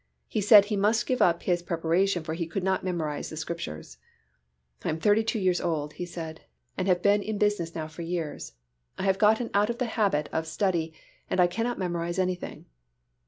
He said he must give up his preparation for he could not memorize the Scriptures. "I am thirty two years old," he said, "and have been in business now for years. I have gotten out of the habit of study and I cannot memorize anything."